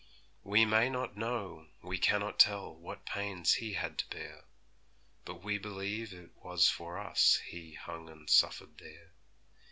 We may not know, we cannot tell What pains He had to bear; But we believe it was for us He hung and suffered there.